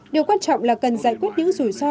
điều quan trọng là cần giải quyết những rủi ro